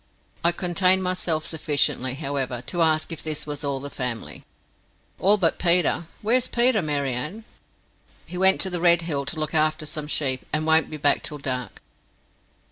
I contained myself sufficiently, however, to ask if this was all the family. "All but Peter. Where's Peter, Mary Ann?" "He went to the Red Hill to look after some sheep, and won't be back till dark."